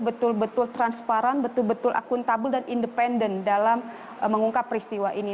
betul betul transparan betul betul akuntabel dan independen dalam mengungkap peristiwa ini